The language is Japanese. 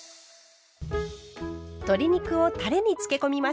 鶏肉をたれにつけ込みます。